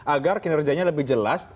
agar kinerjanya lebih jelas